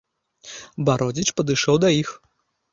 Бародзіч падышоў да іх.